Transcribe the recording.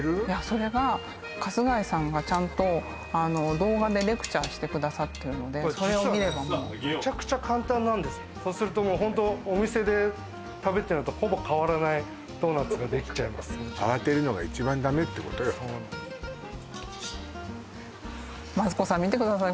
それが春日井さんがちゃんと動画でレクチャーしてくださってるのでそれを見ればもうむちゃくちゃ簡単なんですそうするとホントお店で食べてるのとほぼ変わらないドーナツができちゃいます慌てるのが一番ダメってことよマツコさん見てください